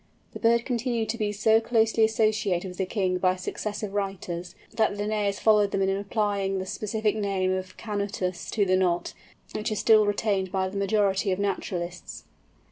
The bird continued to be so closely associated with the king by successive writers, that Linnæus followed them in applying the specific name of canutus to the Knot, which is still retained by the majority of naturalists.